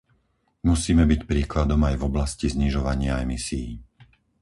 Musíme byť príkladom aj v oblasti znižovania emisií.